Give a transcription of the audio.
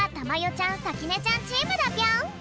ちゃんさきねちゃんチームだぴょん！